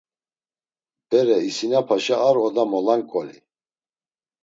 Bere, isinapaşa ar oda molanǩoli.